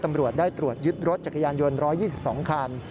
ตำรวจได้ตรวจยึดรถจักรยานยนต์๑๒๒คัน